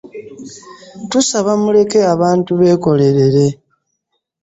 Tusaba muleke abantu bekolerere.